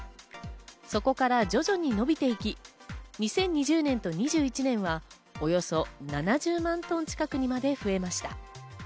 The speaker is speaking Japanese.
そこから徐々に伸びていき、２０２０年と２１年はおよそ７０万トン近くにまで増えました。